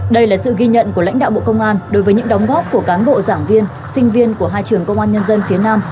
đây là sự ghi nhận của lãnh đạo bộ công an đối với những đóng góp của cán bộ giảng viên sinh viên của hai trường công an nhân dân phía nam